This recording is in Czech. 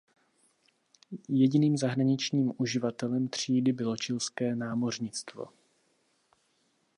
Jediným zahraničním uživatelem třídy bylo Chilské námořnictvo.